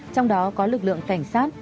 trong đó có lực lượng cảnh sát